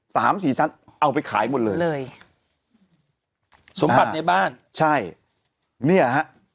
สามสี่ชั้นเอาไปขายหมดเลยสมบัติในบ้านใช่เนี่ยฮะ